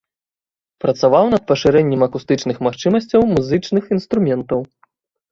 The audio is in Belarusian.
Працаваў над пашырэннем акустычных магчымасцяў музычных інструментаў.